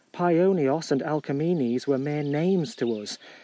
Paionios and Alkamenes were mere names to us.